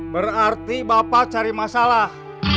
berarti bapak cari masalah